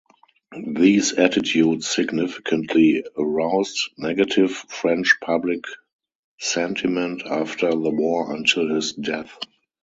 These attitudes significantly aroused negative French public sentiment after the war until his death.